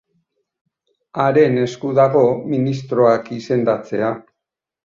Haren esku dago ministroak izendatzea.